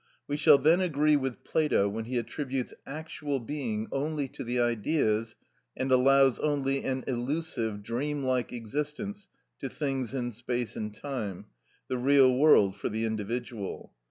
We shall then agree with Plato when he attributes actual being only to the Ideas, and allows only an illusive, dream like existence to things in space and time, the real world for the individual.